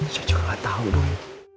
saya juga ga tau dong